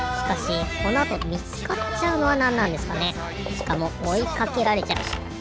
しかもおいかけられちゃうし。